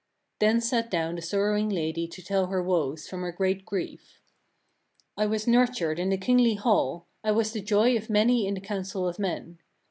14. Then sat down the sorrowing lady to tell her woes, from her great grief: 15. "I was nurtured in the kingly hall, I was the joy of many in the council of men.